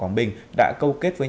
ấn biết được